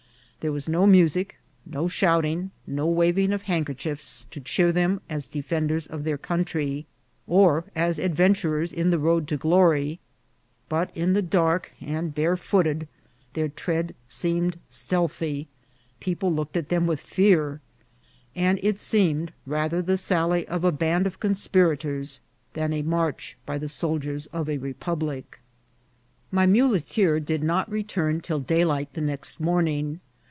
There was no music, no shouting, no waving of hand kerchiefs, to cheer them as defenders of their country or as adventurers in the road to glory ; but in the dark, EXPEDITION AGAINST GRENADA. 27 and barefooted, their tread seemed stealthy ; people looked at them with fear ; and it seemed rather the sally of a band of conspirators than a march by the soldiers of a republic. My muleteer did not return till daylight the next morning.